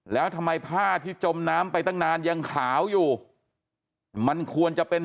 แล้วทำไมผ้าที่จมน้ำไปตั้งนานยังขาวอยู่มันควรจะเป็น